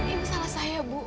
ini salah saya bu